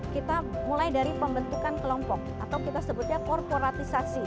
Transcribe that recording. kita mulai dari pembentukan kelompok atau kita sebutnya korporatisasi